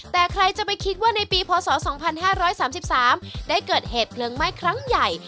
แต่ใครจะไปคิดว่าในปีพศ๒๕๓๓ได้เกิดเหตุเพลิงไหม้ครั้งใหญ่